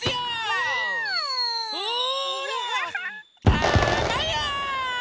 たまや！